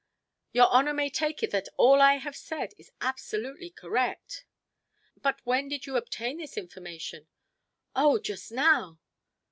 "Your honor may take it that all I have said is absolutely correct." "But when did you obtain this information?" "Oh, just now!"